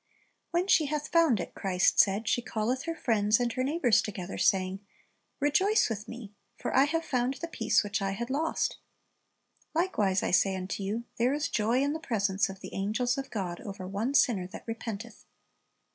"When she hath found it," Christ said, "she calleth her friends and her neighbors to gether, saying, Rejoice ^^' i t h me; for I have found the piece w h i c h I had lost. Likewise, I say unto you, there is joy in the presence of the angels of God over one sinner that re penteth."